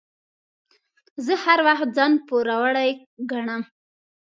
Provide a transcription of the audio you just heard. زه هر وخت ځان پوروړی ګڼم.